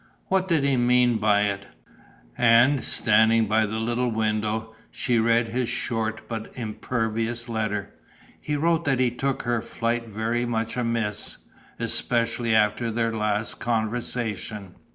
What did he mean by it, what did he want?... And, standing by the little window, she read his short but imperious letter. He wrote that he took her flight very much amiss, especially after their last conversation.